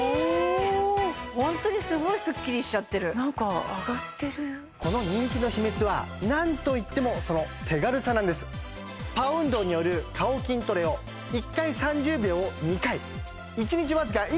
おホントにすごいすっきりしちゃってるなんか上がってるこの人気の秘密はなんといってもその手軽さなんですＰＡＯ運動による顔筋トレをほうれい